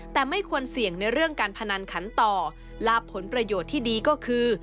แต่ไม่ควรเสี่ยงในเรื่องการพนันขันต่อลาบผลประโยชน์ที่ดีก็คือ